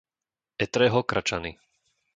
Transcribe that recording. Etreho Kračany